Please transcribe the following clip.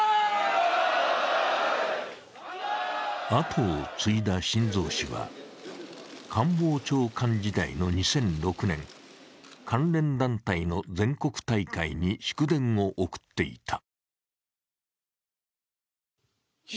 後を継いだ晋三氏は官房長官時代の２００６年、関連団体の全国大会に祝電を送っていた。